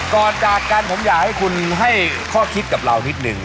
ก่อนจากกันผมอยากให้คุณให้ข้อคิดกับเรานิดนึง